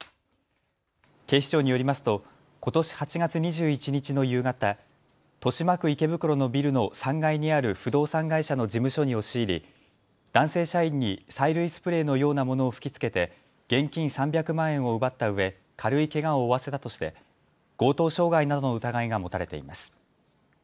警視庁によりますとことし８月２１日の夕方、豊島区池袋のビルの３階にある不動産会社の事務所に押し入り男性社員に催涙スプレーのようなものを吹きつけて現金３００万円を奪ったうえ軽いけがを負わせたとして強盗傷害などの疑いが持たれています。